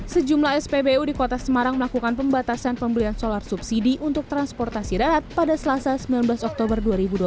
sejumlah spbu di kota semarang melakukan pembatasan pembelian solar subsidi untuk transportasi darat pada selasa sembilan belas oktober dua ribu dua puluh